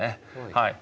はい。